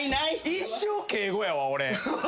一生敬語やわ俺。